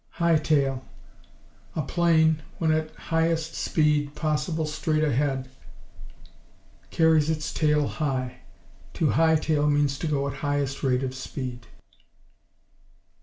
High tail A plane, when at highest speed possible straight ahead, carries its tail high. To high tail means to go at highest rate of speed.